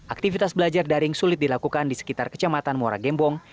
aktivitas belajar daring sulit dilakukan di sekitar kecamatan muara gembong